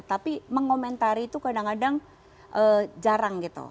tapi mengomentari itu kadang kadang jarang gitu